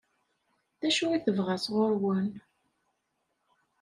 D acu i tebɣa sɣur-wen?